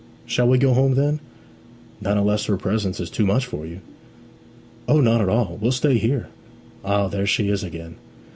'Shall we go home, then?' 'Not unless her presence is too much for you?' 'O not at all. We'll stay here. Ah, there she is again.'